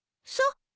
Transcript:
そう。